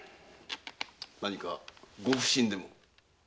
何かご不審でも？